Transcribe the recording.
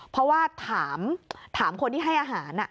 เพราะว่าถามคนที่ให้อาหาร